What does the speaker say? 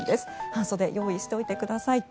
半袖を用意しておいてください。